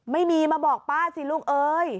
ไม่มีมาบอกป้าสิลูกเอ้ย